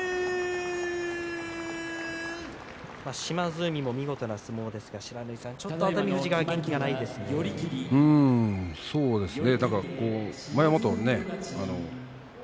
島津海も見事な相撲ですがちょっと熱海富士が元気がないですね。